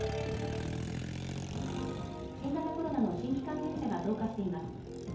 新型コロナの新規感染者が増加しています。